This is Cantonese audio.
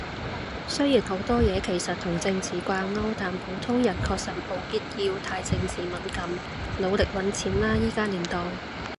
雖然好多嘢其實同政治掛鈎，但普通人確實沒必要太政治敏感。努力搵錢喇依家年代